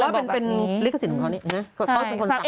แต่ว่าเป็นลิขสินของเขานี่